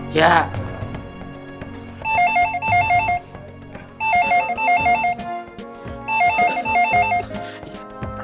hidup anak baik saja